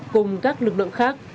cùng các lực lượng khác